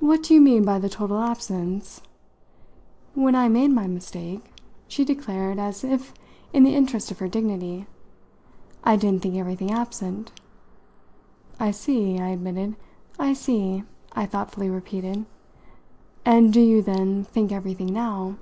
"What do you mean by the total absence? When I made my mistake," she declared as if in the interest of her dignity, "I didn't think everything absent." "I see," I admitted. "I see," I thoughtfully repeated. "And do you, then, think everything now?"